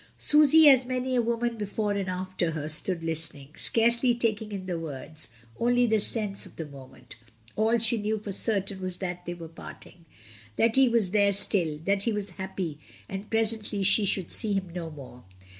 Susy, as many a woman before and after her, stood listening, scarcely taking in the words, only the sense of the moment. All she knew for certain was that they were parting, that he was there still, that he was unhappy, that presently she should see him no more.